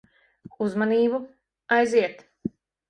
Uzmanību. Aiziet.